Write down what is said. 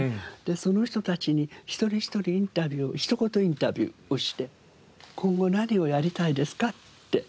その人たちに一人一人インタビュー一言インタビューをして「今後何をやりたいですか？」って聞く。